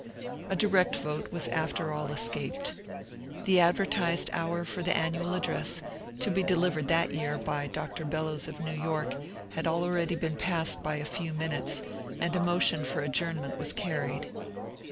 A direct vote was after all escaped. The advertised hour for the annual address, to be delivered that year by Dr. Bel lows of New York, had already been passed by a few minutes, and a motion for adjournment was carried.